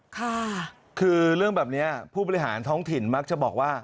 ค่ะคือเรื่องแบบนี้ผู้บริหารท้องถิ่นมักจะบอกว่า